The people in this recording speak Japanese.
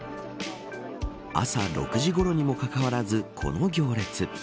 朝６時ごろにもかかわらずこの行列。